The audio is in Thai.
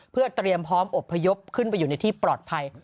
เพื่อเตรียมพร้อมอบพยพขึ้นไปอยู่ในที่ปลอดภัย